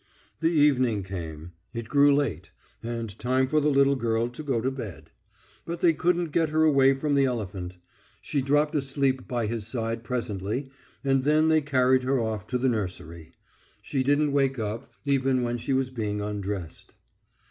The evening came. It grew late, and time for the little girl to go to bed. But they couldn't get her away from the elephant. She dropped asleep by his side presently, and then they carried her off to the nursery. She didn't wake up, even when she was being undressed.